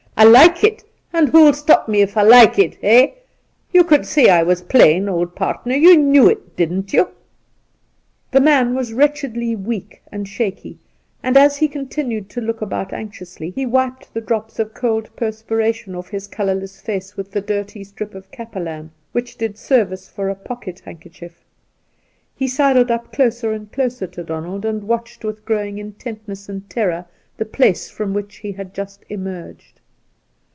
I like it, and who'll stop me if I like it, eh? You could see I was playin', old partner. You knew it, didn't you 1' The man was wretchedly weak and shaky, and as he continued to look about anxiously, he wiped the heavy drops of cold perspiration off his colour less face with the dirty strip of kapalaan which did service for a pocket handkerchief. He sidled up closer and closer to Donald, and watched with growing intentness and terror the place from which he had just emerged.